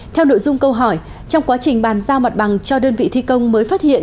theo nội dung câu hỏi trong quá trình bàn giao mặt bằng cho đơn vị thi công mới phát hiện